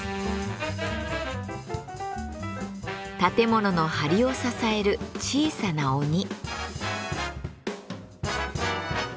建物のはりを支える小さな鬼。